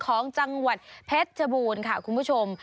ของจังหวัดเพชรชบูรณ์ค่ะคุณผู้ชม